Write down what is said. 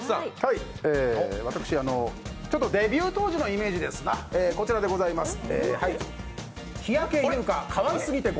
私、ちょっとデビュー当時のイメージで、こちらでございます。